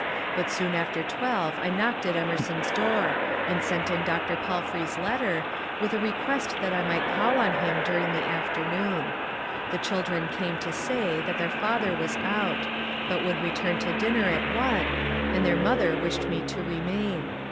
But soon after twelve I knocked at Emer son's door, and sent in Dr. Palfrey's letter, with a request that I might call on him during the afternoon. The children came to say that their father was out, but would return to dinner at one, and their mother wished me to remain.